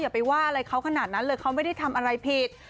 ไปว่าอะไรเขาขนาดนั้นเลยเขาไม่ได้ทำอะไรผิด